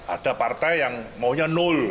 ada partai yang maunya